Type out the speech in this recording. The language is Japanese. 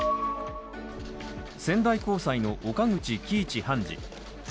仙台高裁の岡口基一判事。